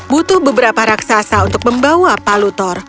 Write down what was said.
butuh beberapa raksasa untuk membawa palu thor